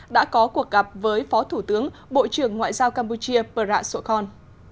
đã có cuộc gặp với phó thủ tướng bộ trưởng ngoại giao campuchia prat sokhon